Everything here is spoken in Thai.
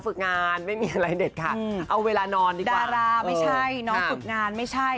ทุกงานไม่มีอะไรแบบขาเอาเวลานอนด้านน้องหนังไม่ให้